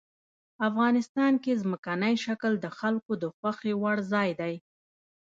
افغانستان کې ځمکنی شکل د خلکو د خوښې وړ ځای دی.